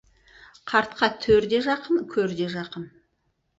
Қартқа төр де жақын, көр де жақын.